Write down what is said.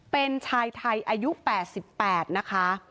เป็นชายไทยอายุ๘๘นะคะ